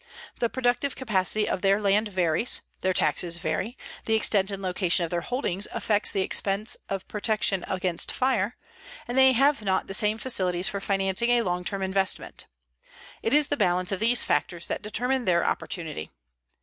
The productive capacity of their land varies, their taxes vary, the extent and location of their holdings affects the expense of protection against fire, and they have not the same facilities for financing a long term investment. It is the balance of these factors that determine their opportunity.